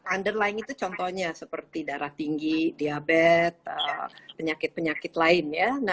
underlying itu contohnya seperti darah tinggi diabetes penyakit penyakit lain ya